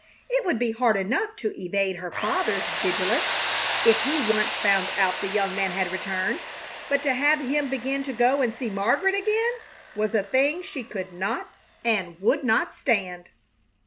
It would be hard enough to evade her father's vigilance if he once found out the young man had returned; but to have him begin to go and see Margaret again was a thing she could not and would not stand.